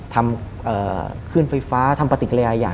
ทำคลื่นไฟฟ้าทำประติกระยายา